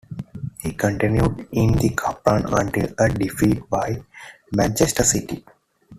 He continued in the Cup run until a defeat by Manchester City.